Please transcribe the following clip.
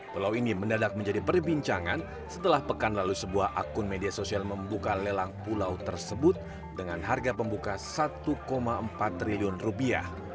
pulau ini mendadak menjadi perbincangan setelah pekan lalu sebuah akun media sosial membuka lelang pulau tersebut dengan harga pembuka satu empat triliun rupiah